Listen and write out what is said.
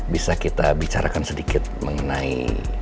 bisa kita bicarakan sedikit mengenai